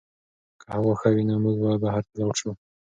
که هوا ښه وي نو موږ به بهر ته لاړ شو.